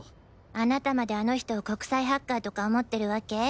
あなたまであの人を国際ハッカーとか思ってる訳？